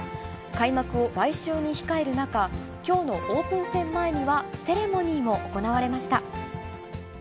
開幕を来週に控える中、きょうのオープン戦前には、セレモニーも行われました。